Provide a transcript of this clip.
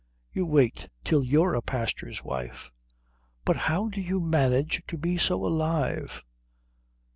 "You wait till you're a pastor's wife." "But how do you manage to be so alive?